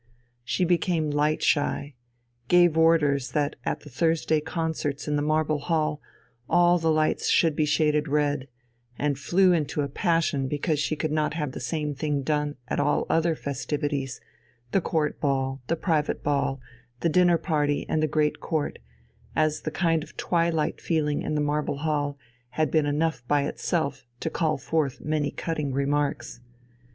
She became light shy, gave orders that at the Thursday concerts in the Marble Hall all the lights should be shaded red, and flew into a passion because she could not have the same thing done at all other festivities, the Court Ball, the Private Ball, the Dinner Party, and the Great Court, as the kind of twilight feeling in the Marble Hall had been enough by itself to call forth many cutting remarks.